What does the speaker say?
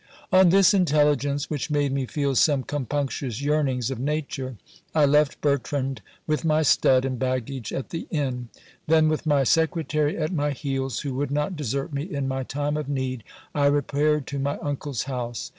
On this intelligence, which made me feel some compunctious yearnings of nature, I left Bertrand with my stud and baggage at the inn : then, with my secretary at my heels, who would not desert me in my time of need, I repaired to my uncle's house.